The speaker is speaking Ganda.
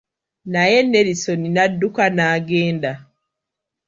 Naye Nelisoni n'adduka n'agenda.